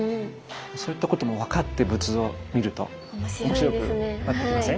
そういったことも分かって仏像を見ると面白くなってきません？